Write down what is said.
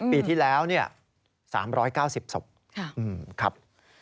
ปีที่แล้ว๓๙๐ศพ